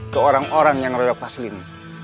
ke orang orang yang reda paslim